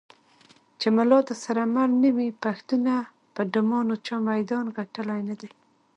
چې ملا درسره مل نه وي پښتونه په ډمانو چا میدان ګټلی نه دی.